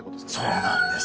そうなんです。